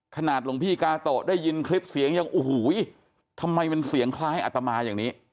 หลวงพี่กาโตะได้ยินคลิปเสียงยังโอ้โหทำไมมันเสียงคล้ายอัตมาอย่างนี้